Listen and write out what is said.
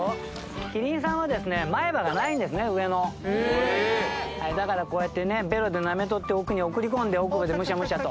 キリンさんは前歯がないんですね、上の、だからこうやってね、べろでなめとって、奥に送り込んで、奥歯でむしゃむしゃと。